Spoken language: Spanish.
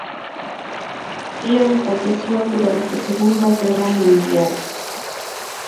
Ian falleció durante Segunda Guerra Mundial.